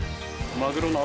マグロの頭？